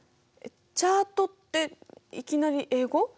チャートっていきなり英語？